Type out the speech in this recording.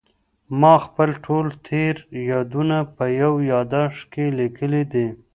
ما خپل ټول تېر یادونه په یو یادښت کې لیکلي دي.